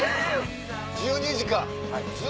１２時間。